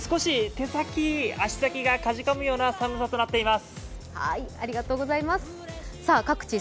少し手先、足先がかじかむような気温となっています。